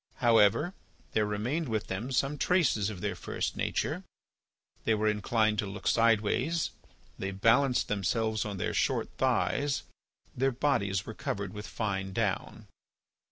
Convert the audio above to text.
However, there remained with them some traces of their first nature. They were inclined to look sideways; they balanced themselves on their short thighs; their bodies were covered with fine down.